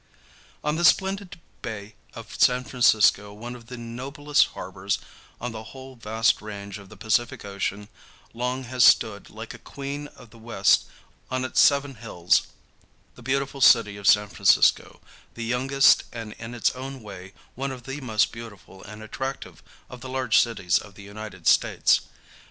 On the splendid Bay of San Francisco, one of the noblest harbors on the whole vast range of the Pacific Ocean, long has stood, like a Queen of the West on its seven hills, the beautiful city of San Francisco, the youngest and in its own way one of the most beautiful and attractive of the large cities of the United States.